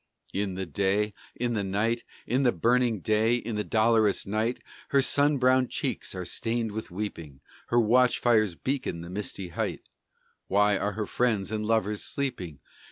In the day, in the night, In the burning day, in the dolorous night, Her sun browned cheeks are stained with weeping. Her watch fires beacon the misty height: Why are her friends and lovers sleeping?